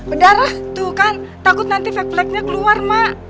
udara tuh kan takut nanti fek fleknya keluar ma